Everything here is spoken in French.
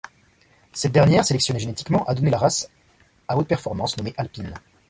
Cette dernière, sélectionnée génétiquement, a donné la race à haute performance nommée alpine.